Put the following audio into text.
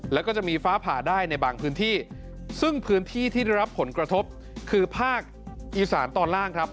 แล้วก็จะมีฟ้าผ่าได้ในบางพื้นที่ซึ่งพื้นที่ที่ได้รับผลกระทบคือภาคอีสานตอนล่างครับ